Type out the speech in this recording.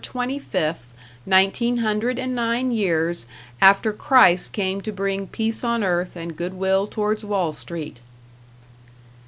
25th, nineteen hundred and nine years after Christ came to bring peace on earth and good will towards Wall Street!